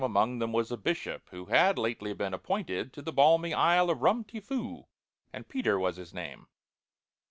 Among them was a Bishop, who Had lately been appointed to The balmy isle of Rum ti Foo, And PETER was his name.